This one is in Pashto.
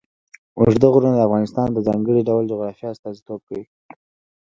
اوږده غرونه د افغانستان د ځانګړي ډول جغرافیه استازیتوب کوي.